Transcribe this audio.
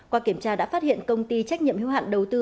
qua kiểm tra đã phát hiện công ty trách nhiệm hiếu hạn đầu tư